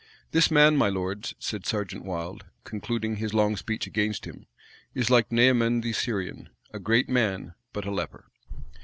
"This man, my lords," said Serjeant Wilde, concluding his long speech against him, "is like Naaman the Syrian; a great man, but a leper."